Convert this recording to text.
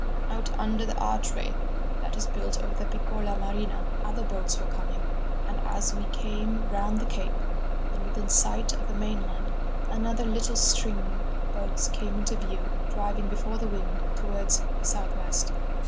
And out under the archway that is built over the Piccola Marina other boats were coming; and as we came round the cape and within sight of the mainland, another little string of boats came into view, driving before the wind towards the south west.